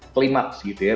klimaks gitu ya